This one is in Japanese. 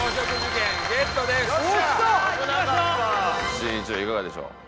しんいちはいかがでしょう？